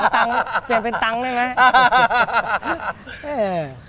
แต่จะเปลี่ยนเป็นตังได้ไหม